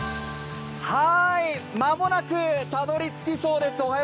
間もなくたどりつきそうです。